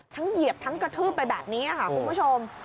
เหยียบทั้งกระทืบไปแบบนี้ค่ะคุณผู้ชม